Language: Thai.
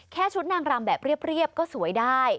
แค่ชุดนางรำแบบเรียบก็สวยได้